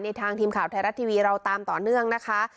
ทางทีมข่าวไทยรัฐทีวีเราตามต่อเนื่องนะคะ